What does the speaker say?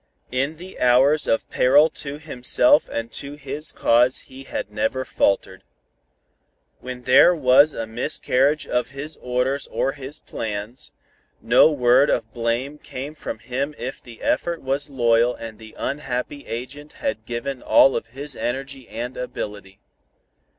In the hours of peril to himself and to his cause he had never faltered. When there was a miscarriage of his orders or his plans, no word of blame came from him if the effort was loyal and the unhappy agent had given all of his energy and ability.